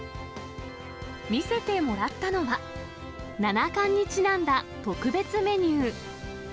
見せてもらったのは、七冠にちなんだ特別メニュー。